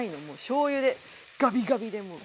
しょうゆでガビガビでもう。